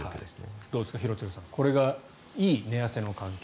どうですか、廣津留さんこれがいい寝汗の環境。